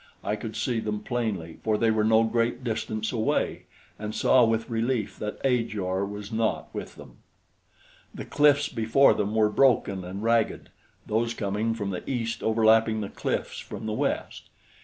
I could see them plainly, for they were no great distance away, and saw with relief that Ajor was not with them. The cliffs before them were broken and ragged, those coming from the east overlapping the cliffs from the west.